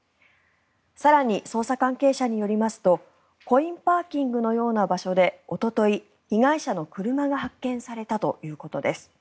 更に、捜査関係者によりますとコインパーキングのような場所でおととい、被害者の車が発見されたということです。